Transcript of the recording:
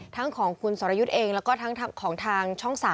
ทั้งของคุณสรยุทธ์เองแล้วก็ทั้งของทางช่อง๓